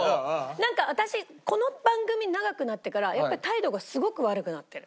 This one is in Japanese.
なんか私この番組長くなってからやっぱり態度がすごく悪くなってる。